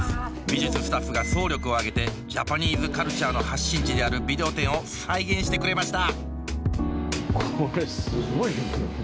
美術スタッフが総力を挙げてジャパニーズカルチャーの発信地であるビデオ店を再現してくれました